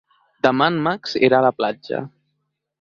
Demà en Max irà a la platja.